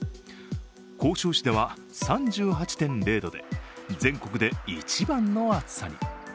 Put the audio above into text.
甲州市では３８．０度で全国で一番の暑さに。